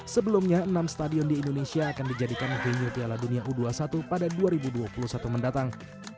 sebelumnya enam stadion di indonesia akan dijadikan venue piala dunia u dua puluh satu pada dua ribu dua puluh satu mendatang